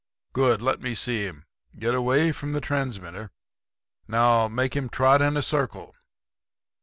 Good. Let me see him. Get away from the transmitter. Now make him trot in a circle.